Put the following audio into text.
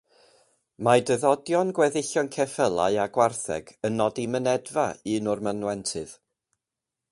Mae dyddodion gweddillion ceffylau a gwartheg yn nodi mynedfa un o'r mynwentydd.